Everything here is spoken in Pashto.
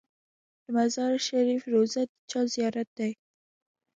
د مزار شریف روضه د چا زیارت دی؟